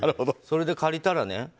それで借りたらね